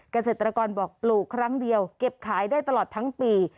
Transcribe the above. เกษตรกรบอกปลูกครั้งเดียวเก็บขายได้ตลอดทั้งปี